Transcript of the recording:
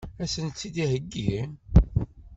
Ad sent-tt-id-iheggi?